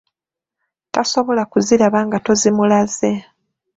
Tasobola kuziraba nga tozimulaze.